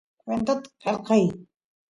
kwentot qelqay